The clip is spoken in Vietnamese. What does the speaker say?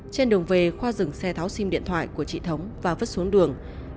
trên đường về khoa dừng xe tháo sim điện thoại của chị thống và vứt xuống đường